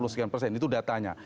enam puluh sekian persen itu datanya